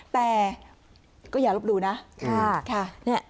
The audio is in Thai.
แต่ก็อย่ารบดูนะ